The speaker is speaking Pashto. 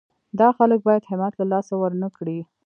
دا خلک باید همت له لاسه ورنه کړي.